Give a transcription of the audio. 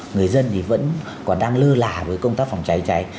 người dân thì vẫn còn đang lơ là với công tác phòng cháy cháy